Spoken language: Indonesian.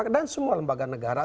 dan semua lembaga negara